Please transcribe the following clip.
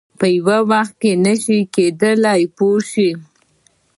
په یو وخت کې نه شي کېدای پوه شوې!.